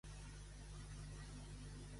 Boukman és un personatge distingit?